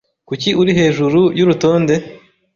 Kuki uri hejuru yurutonde?